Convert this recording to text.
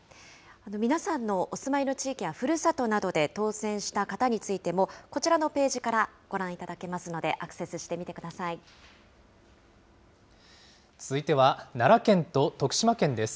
皆さんのお住まいの地域やふるさとなどで当選した方についても、こちらのページからご覧いただけますので、アクセスしてみて続いては奈良県と徳島県です。